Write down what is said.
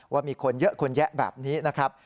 ว่ามีคนเยอะคนแยะแบบนี้นะครับ